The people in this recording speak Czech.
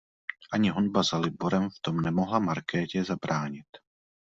Ani honba za Liborem v tom nemohla Markétě zabránit.